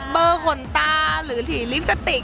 เบอร์ขนตาหรือขีนลิบสติก